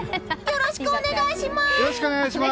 よろしくお願いします！